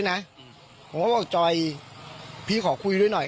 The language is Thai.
ผมก็หาจอยด้วยนะผมก็บอกจอยพี่ขอคุยด้วยหน่อย